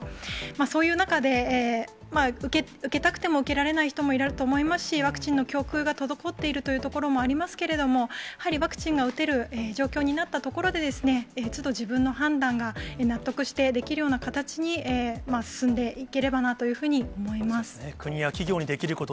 そういう中で、受けたくても受けられない人もいると思いますし、ワクチンの供給が滞っているというところもありますけれども、やはりワクチンが打てる状況になったところで、都度、自分の判断が納得してできるような形に進んでいければなというふ国や企業にできること、